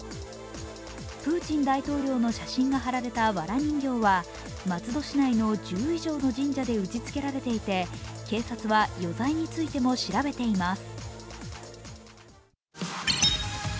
プーチン大統領の写真が貼られたわら人形は松戸市内の１０以上の神社で打ちつけられていて、警察は余罪についても調べています。